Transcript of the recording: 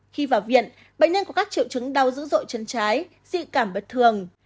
khi vào viện bệnh nhân có các triệu chứng đau dữ dội chân trái dị cảm bất thường